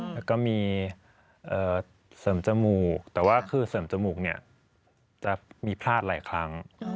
แล้วก็มีเสริมจมูกแต่ว่าคือเสริมจมูกเนี่ยจะมีพลาดหลายครั้ง